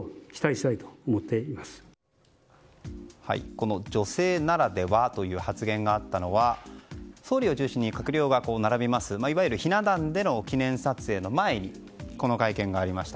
この女性ならではという発言があったのは総理を中心に閣僚が並びますいわゆるひな壇での記念撮影の前に会見がありました。